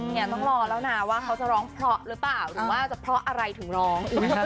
เนี่ยต้องรอแล้วนะว่าเขาจะร้องเพราะหรือเปล่าหรือว่าจะเพราะอะไรถึงร้อง